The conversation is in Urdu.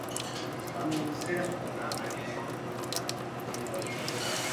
سکون صرف قبر میں ہے